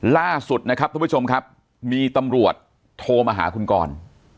ล่าสุดนะครับทุกผู้ชมครับมีตำรวจโทรมาหาคุณกร